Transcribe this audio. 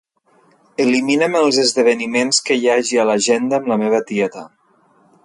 Elimina'm els esdeveniments que hi hagi a l'agenda amb la meva tieta.